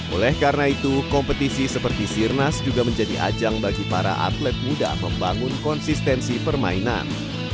oleh karena itu kompetisi seperti sirnas juga menjadi ajang bagi para atlet muda membangun konsistensi permainan